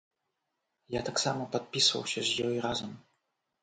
Я таксама падпісваўся з ёй разам.